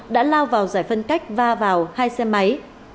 đã lao vào giải phân cách va vào hai xe máy